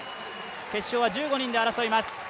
決勝は１５人で争います。